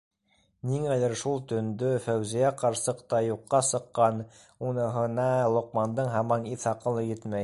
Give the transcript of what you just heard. Ниңәлер шул төндө Фәүзиә ҡарсыҡ та юҡҡа сыҡҡан - уныһына Лоҡмандың һаман иҫ-аҡылы етмәй.